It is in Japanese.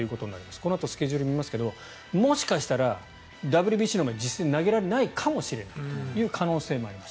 このあとスケジュール見ますけどもしかしたらＷＢＣの前に実戦、投げられないかもしれないという可能性もあります。